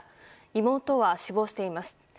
妹は死亡しています。